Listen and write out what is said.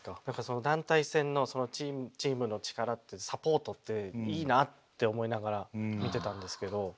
だから団体戦のそのチームの力ってサポートっていいなって思いながら見てたんですけど。